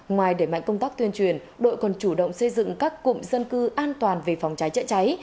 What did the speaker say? ngoài đẩy mạnh công tác tuyên truyền đội còn chủ động xây dựng các cụm dân cư an toàn về phòng cháy chữa cháy